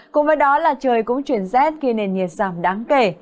cùng với đó trời cũng chuyển xét khi nền nhiệt giảm đáng kể